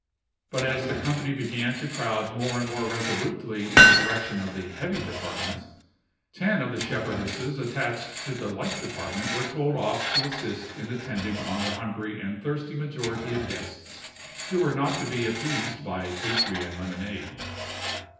But as the company began to crowd more and more resolutely in the direction of the Heavy Department, ten of the shepherdesses attached to the Light Department were told off to assist in attending on the hungry and thirsty majority of guests who were not to be appeased by pastry and lemonade.